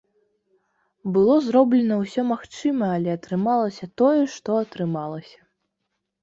Было зроблена ўсё магчымае, але атрымалася тое, што атрымалася.